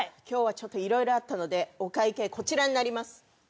今日はちょっといろいろあったのでお会計こちらになります。